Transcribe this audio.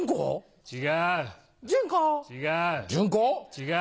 違う。